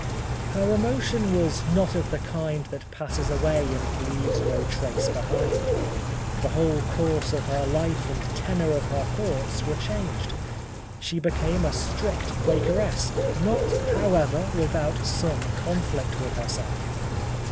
Her emotion was not of the kind that passes away and leaves no trace behind. The whole course of her life and tenor of her thoughts were changed. She became a strict Quakeress, not, however, without some conflict with herself.